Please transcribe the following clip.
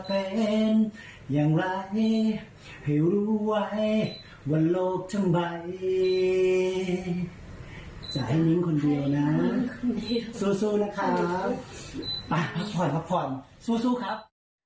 ไปพักผ่อนสู้ครับ